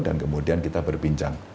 dan kemudian kita berbincang